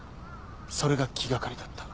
それが気掛かりだった。